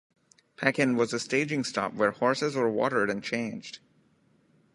Pekin was a staging stop where horses were watered and changed.